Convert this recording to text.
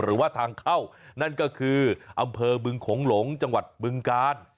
หรือว่าทางเข้านั่นก็คืออำเภอบึงโขงหลงจังหวัดบึงกาล